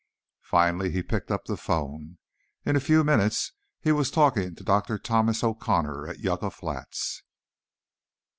Finally he picked up the phone. In a few minutes he was talking to Dr. Thomas O'Connor, at Yucca Flats.